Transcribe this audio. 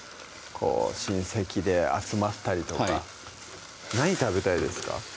親戚で集まったりとか何食べたいですか？